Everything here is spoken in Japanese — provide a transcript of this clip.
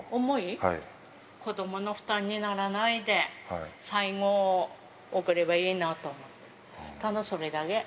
子どもの負担にならないで、最期送れればいいなと思って、ただそれだけ。